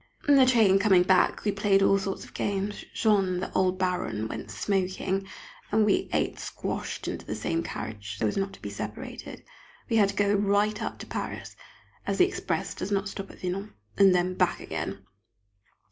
In the train coming back we played all sorts of games. Jean and the old Baron went "smoking," and we eight squashed into the same carriage, so as not to be separated. We had to go right up to Paris (as the express does not stop at Vinant), and then back again.